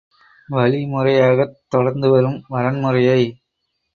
வழிமுறையாகத் தொடர்ந்துவரும் வரன்முறையை